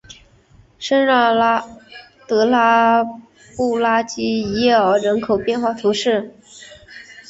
圣让德拉布拉基耶尔人口变化图示